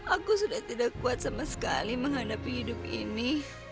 aku sudah tidak kuat sama sekali menghadapi hidup ini